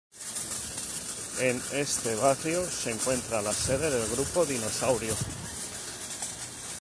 En este barrio se encuentra la sede del Grupo Dinosaurio.